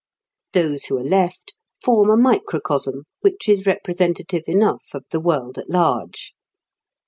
Those who are left form a microcosm which is representative enough of the world at large.